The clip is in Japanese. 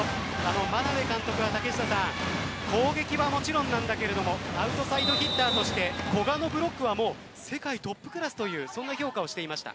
眞鍋監督が攻撃はもちろんなんだけどアウトサイドヒッターとして古賀のブロックは世界トップクラスというそんな評価をしていました。